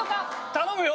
頼むよ！